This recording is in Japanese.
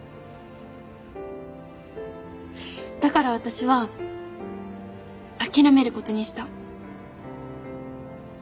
だから私は諦めることにした。